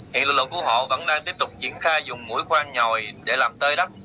hiện lực lượng cứu hộ vẫn đang tiếp tục triển khai dùng mũi khoan nhòi để làm tơi đất